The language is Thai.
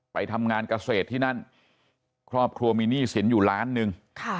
ไปทำงานเกษตรที่นั่นครอบครัวมีหนี้สินอยู่ล้านหนึ่ง